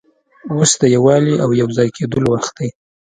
اوس د یووالي او یو ځای کېدلو وخت دی.